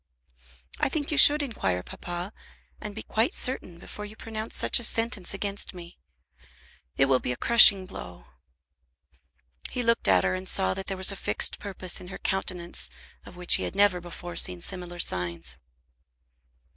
"I think you should inquire, papa, and be quite certain before you pronounce such a sentence against me. It will be a crushing blow." He looked at her, and saw that there was a fixed purpose in her countenance of which he had never before seen similar signs.